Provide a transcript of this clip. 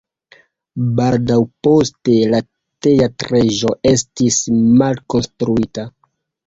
Baldaŭ poste la teatrejo estis malkonstruita.